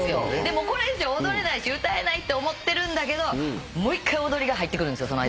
これ以上踊れないし歌えないって思ってるんだけどもう一回踊りが入ってくるんです。